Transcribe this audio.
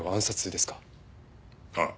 ああ。